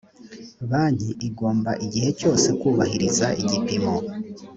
banki igomba igihe cyose kubahiriza igipimo